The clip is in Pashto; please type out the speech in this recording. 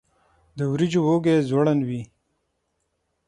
د وریجو وږی ځوړند وي.